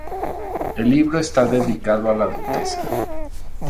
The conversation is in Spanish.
El libro está dedicado a la duquesa.